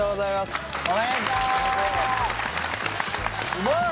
うまい！